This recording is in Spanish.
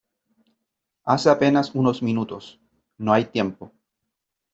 hace apenas unos minutos . no hay tiempo .